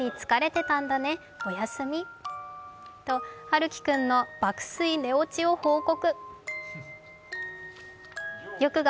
と、陽喜くんの爆睡寝落ちを報告。